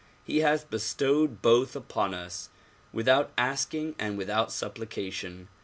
He has be stowed both upon us — without asking and with supplication.